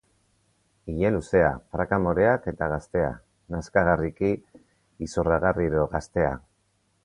Ile luzea, praka moreak eta gaztea, nazkagarriki, izorragarriro gaztea.